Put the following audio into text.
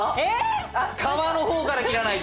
皮の方から切らないと。